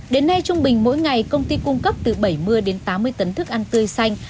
đến nay trung bình mỗi ngày công ty cung cấp từ bảy mươi đến tám mươi tấn thức ăn tươi xanh